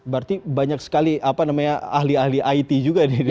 berarti banyak sekali ahli ahli it juga di rumah sakit ya